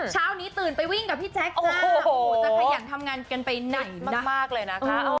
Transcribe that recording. เช้านี้ตื่นไปวิ่งกับพี่แจ๊คโอ้โหจะขยันทำงานกันไปหนักมากเลยนะคะ